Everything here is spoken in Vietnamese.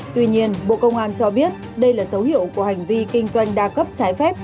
tuy nhiên bộ công an cho biết đây là dấu hiệu của hành vi kinh doanh đa cấp trái phép